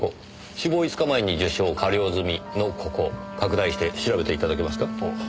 「死亡５日前に受傷加療済み」のここ拡大して調べて頂けますか？